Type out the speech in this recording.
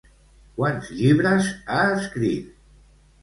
Quants llibres ha escrit?